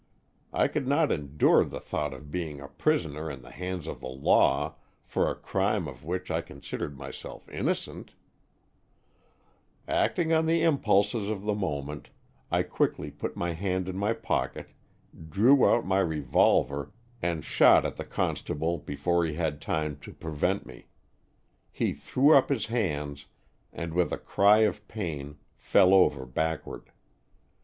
I could not endure the thought of being a prisoner in the hands of the law for a crime of which I considered myself innocent; "Acting on the impulses of the mo ment I quickly put my hand in my pocket, drew out my revolver and shot at the constable before he had time to prevent me. He threw up his hands 34 Stories from the Adirondack^. and with a cry of pain fell over back ward.